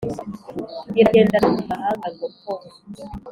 iragenda no mu manga ngo pooo!